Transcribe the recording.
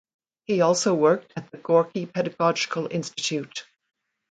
He also worked at the Gorky Pedagogical Institute.